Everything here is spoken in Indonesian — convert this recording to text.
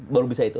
baru bisa itu